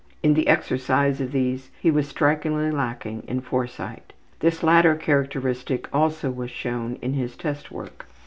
In the exercise of these he was strikingly lacking in foresight. This latter characteristic also was shown in his test work.